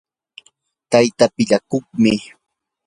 tayta piñakuqmi